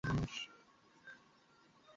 বোধবুদ্ধি কি আপনার লোপ পেয়েছে, হল?